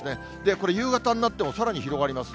これ、夕方になってもさらに広がります。